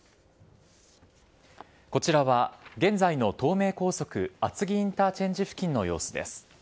こちらは現在の東名高速厚木インターチェンジ付近の様子です。